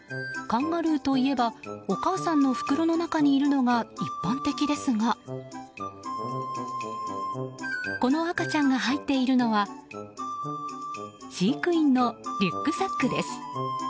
カンガルーといえばお母さんの袋の中にいるのが一般的ですがこの赤ちゃんが入っているのは飼育員のリュックサックです。